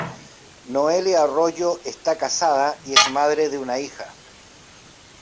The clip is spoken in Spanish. Noelia Arroyo está casada y es madre de una hija.